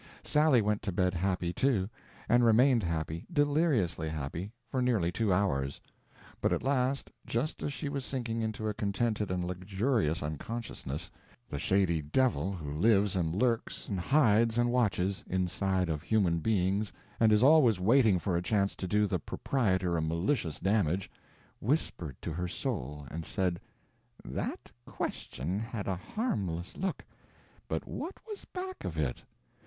Sally went to bed happy, too; and remained happy, deliriously happy, for nearly two hours; but at last, just as she was sinking into a contented and luxurious unconsciousness, the shady devil who lives and lurks and hides and watches inside of human beings and is always waiting for a chance to do the proprietor a malicious damage, whispered to her soul and said, "That question had a harmless look, but what was back of it?